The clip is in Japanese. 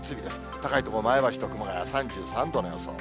高い所、前橋と熊谷、３３度の予想。